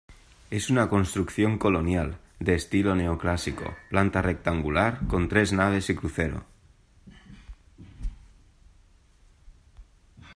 Es una construcción colonial, de estilo neoclásico, planta rectangular, con tres naves y crucero.